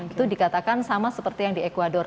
itu dikatakan sama seperti yang di ecuador